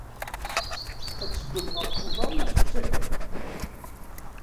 Ad teddum ɣef uḍar neɣ s usakal?